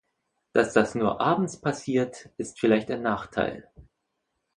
Dass das nur abends passiert, ist vielleicht ein Nachteil.